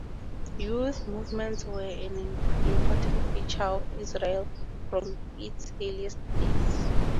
Youth movements were an important feature of Israel from its earliest days.